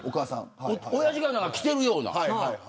おやじが来てるような。